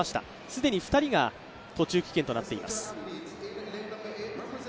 既に２人が途中棄権となっています。